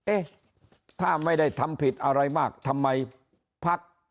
เอ๊ะถ้าไม่ได้ทำผิดอะไรมากทำไมพัก